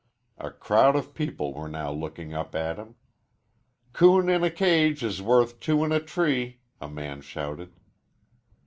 A crowd of people were now looking up at him. "Coon in a cage is worth two in a tree," a man shouted.